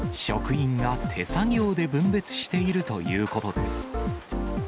職員が手作業で分別しているということです。